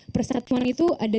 persatuan itu ada